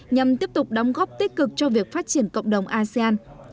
nhằm tiếp tục đóng góp tích cực cho việc phát triển cộng đồng asean